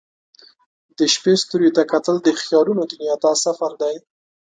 د شپې ستوریو ته کتل د خیالونو دنیا ته سفر دی.